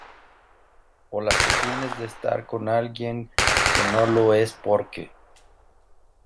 o las que tienes de estar con alguien que no lo es porque